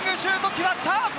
決まった！